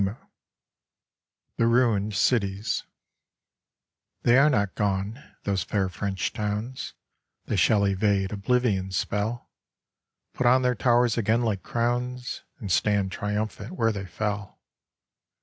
43 THE RUINED CITIES They are not gone, those fair French towns, They shall evade oblivion's spell, Put on their towers again like crowns And stand triumphant where they fell.